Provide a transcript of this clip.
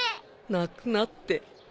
泣くなって